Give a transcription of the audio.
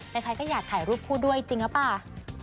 ใครก็อยากถ่ายรูปคู่ด้วยจริงหรือเปล่า